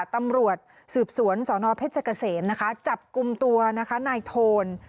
ตำรวจสืบสวนสนเพชรเกษมนะคะจับกลุ่มตัวนะคะนายโทน